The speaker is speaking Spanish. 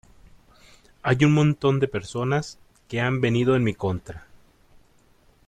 hay un montón de personas que han venido en mi contra